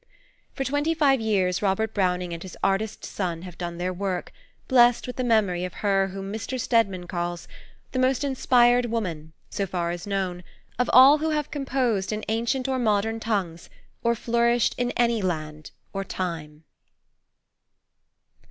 For twenty five years Robert Browning and his artist son have done their work, blessed with the memory of her whom Mr. Stedman calls "the most inspired woman, so far as known, of all who have composed in ancient or modern tongues, or flourished in any land or time."